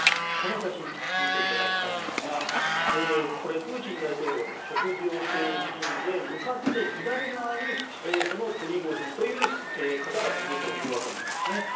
この写真を見ていただきたいんですがこれ、プーチン大統領が食事をしているシーンで向かって左側にプリゴジンという方がいるというわけなんですね。